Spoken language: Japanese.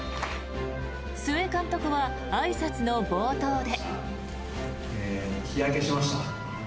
須江監督はあいさつの冒頭で。